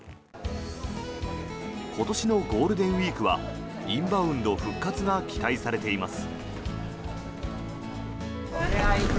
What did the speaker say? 今年のゴールデンウィークはインバウンド復活が期待されています。